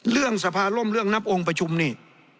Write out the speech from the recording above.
เรื่องสภาร่มเรื่องนับองค์ประชุมนี่